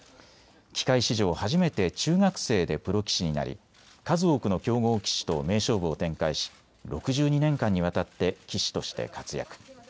棋界史上、初めて中学生でプロ棋士になり数多くの強豪棋士と名勝負を展開し６２年間にわたって棋士として活躍。